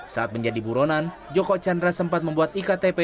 saat menjadi buronan joko chandra sempat membuat iktp